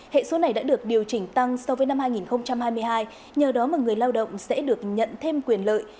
hệ số này đã được điều chỉnh tăng so với năm hai nghìn hai mươi hai nhờ đó mà người lao động sẽ được nhận thêm quyền lợi